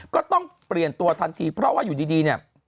ก็ต้องเปลี่ยนตัวทันทีเพราะว่าอยู่ดีเนี่ย